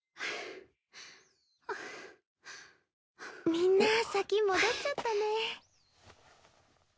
みんな先戻っちゃったね。